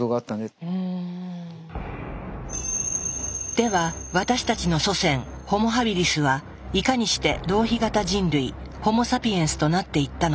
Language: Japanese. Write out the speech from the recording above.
では私たちの祖先ホモ・ハビリスはいかにして浪費型人類ホモ・サピエンスとなっていったのか。